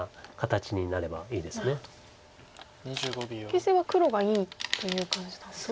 形勢は黒がいいという感じなんですか。